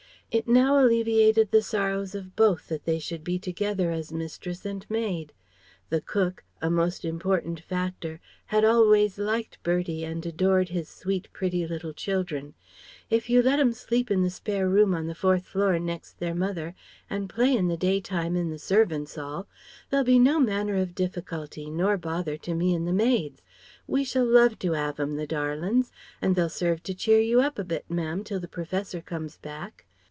It now alleviated the sorrows of both that they should be together as mistress and maid. The cook a most important factor had always liked Bertie and adored his "sweet, pretty little children." "If you'll let 'em sleep in the spare room on the fourth floor, next their mother, and play in the day time in the servants' 'all, they'll be no manner of difficulty nor bother to me and the maids. We shall love to 'ave 'em, the darlin's. And they'll serve to cheer you up a bit ma'am till the Professor comes back."